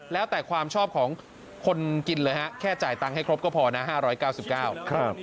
แล้วแต่ความชอบของคนกินเลยฮะแค่จ่ายตังค์ให้ครบก็พอนะ๕๙๙บาท